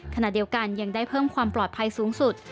ขณะเดียวกันยังได้เพิ่มความปลอดภัยสูงสุด